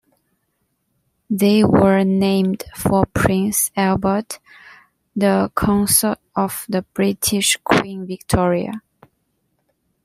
They were named for Prince Albert, the consort of the British Queen Victoria.